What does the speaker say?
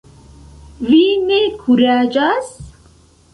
Vi ne kuraĝas?